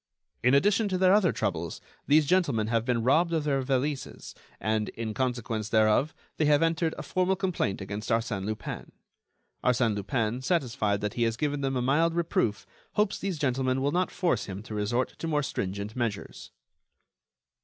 "In addition to their other troubles, these gentlemen have been robbed of their valises, and, in consequence thereof, they have entered a formal complaint against Arsène Lupin." "Arsène Lupin, satisfied that he has given them a mild reproof, hopes these gentlemen will not force him to resort to more stringent measures."